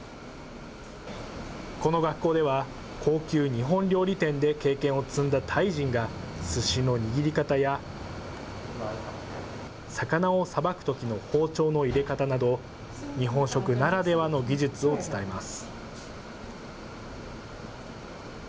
この学校では、高級日本料理店で経験を積んだタイ人が、すしの握り方や、魚をさばくときの包丁の入れ方など、日本食ならではの技術を伝えます。